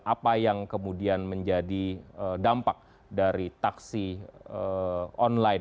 apa yang kemudian menjadi dampak dari taksi online